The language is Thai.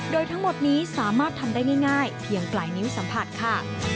โดยทั้งหมดนี้สามารถทำได้ง่ายเพียงปลายนิ้วสัมผัสค่ะ